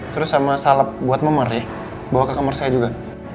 terus sama salep buat memer ya bawa ke kamar saya juga